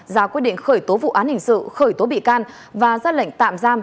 ra quyết định khởi tố vụ án hình sự khởi tố bị can và ra lệnh tạm giam